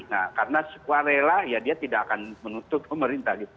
nah karena sukarela ya dia tidak akan menuntut pemerintah